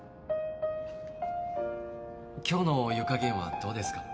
今日の湯加減はどうですか？